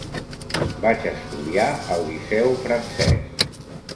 Vaig estudiar al Liceu Francès.